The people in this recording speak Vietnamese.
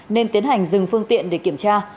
nên tiến hành dừng phương tiện để kiểm tra